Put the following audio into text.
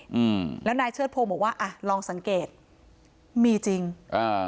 อืมแล้วนายเชิดพงศ์บอกว่าอ่ะลองสังเกตมีจริงอ่า